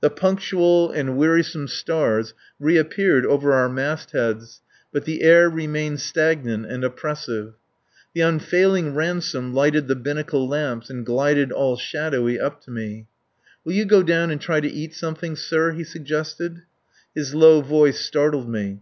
The punctual and wearisome stars reappeared over our mastheads, but the air remained stagnant and oppressive. The unfailing Ransome lighted the binnaclelamps and glided, all shadowy, up to me. "Will you go down and try to eat something, sir?" he suggested. His low voice startled me.